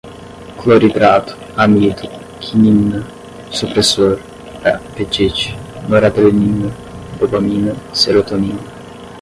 cloridrato, amido, quinina, supressor, apetite, noradrenalina, dopamina, serotonina